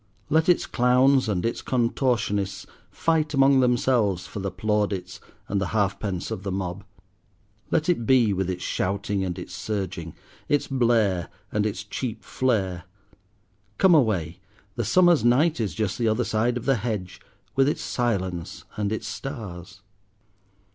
Let its clowns and its contortionists fight among themselves for the plaudits and the halfpence of the mob. Let it be with its shouting and its surging, its blare and its cheap flare. Come away, the summer's night is just the other side of the hedge, with its silence and its stars."